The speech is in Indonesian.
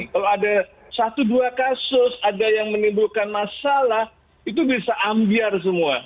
kalau ada satu dua kasus ada yang menimbulkan masalah itu bisa ambiar semua